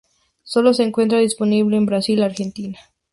Solo se encuentra disponible en Brasil, Argentina.